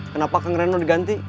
kenapa kang reno diganti